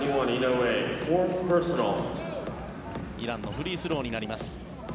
イランのフリースローになります。